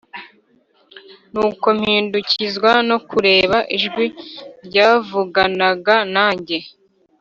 Nuko mpindukizwa no kureba ijwi ryavuganaga nanjye,